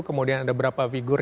kemudian ada beberapa figur